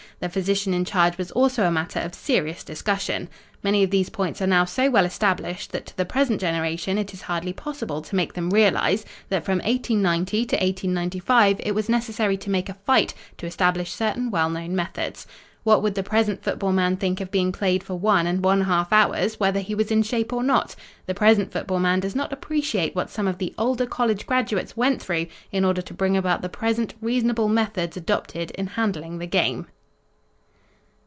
The physician in charge was also a matter of serious discussion. Many of these points are now so well established that to the present generation it is hardly possible to make them realize that from 1890 to 1895 it was necessary to make a fight to establish certain well known methods. "What would the present football man think of being played for one and one half hours whether he was in shape or not? The present football man does not appreciate what some of the older college graduates went through in order to bring about the present reasonable methods adopted in handling the game."